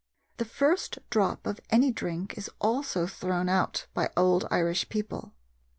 The first drop of any drink is also thrown out by old Irish people.